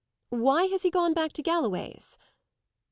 "Why has he gone back to Galloway's?"